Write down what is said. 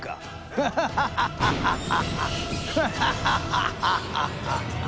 フハハハハハハ！